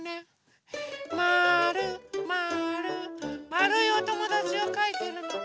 まるいおともだちをかいてるの。